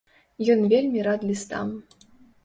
Ён вельмі рад лістам.